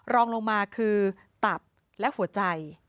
รองลงมาคือตับและหัวใจ